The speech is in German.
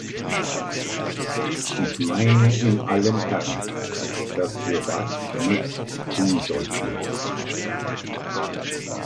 Ich meine in allem Ernst, dass wir das nicht tun sollten.